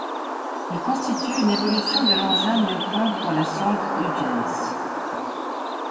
Il constitue une évolution de l'engin mis au point pour la sonde Huygens.